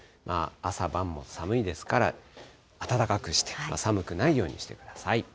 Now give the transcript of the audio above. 朝晩も寒いですから、暖かくして、寒くないようにしてください。